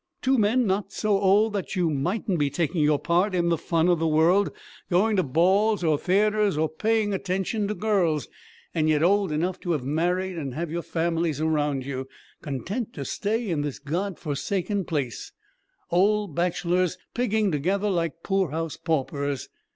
Two men not so old that you mightn't be taking your part in the fun of the world, going to balls or theatres, or paying attention to girls, and yet old enough to have married and have your families around you, content to stay in this God forsaken place; old bachelors, pigging together like poor house paupers.